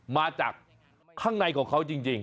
มาจากข้างในของเขาจริง